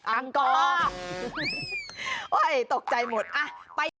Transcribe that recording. อังกฎโอ๊ยตกใจหมดอ่ะไปกัน